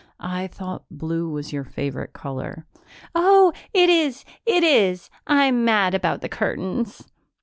I thought blue was your favorite color." "Oh, it is, it is! I'm mad about the curtains."